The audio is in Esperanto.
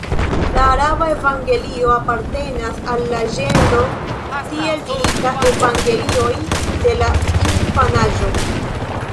La araba Evangelio apartenas al la ĝenro tieldirita Evangelioj de la infanaĝo.